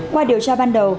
theo điều tra ban đầu